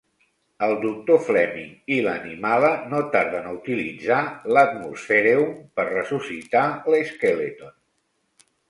El Doctor Fleming i l'Animala no tarden a utilitzar l'atmosphereum per ressuscitar l'Skeleton.